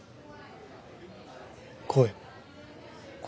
声。